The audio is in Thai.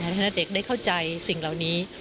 ท่านเด็กได้เข้าใจสิ่งเหล่านี้